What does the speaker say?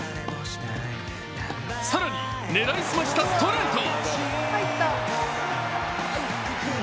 更に、狙い澄ましたストレート。